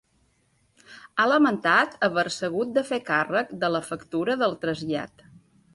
Ha lamentat haver-se hagut de fer càrrec de la factura del trasllat.